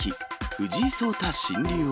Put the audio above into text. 藤井聡太新竜王。